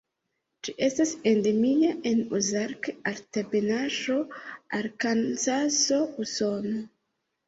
Ĝi estas endemia en Ozark-Altebenaĵo, Arkansaso, Usono.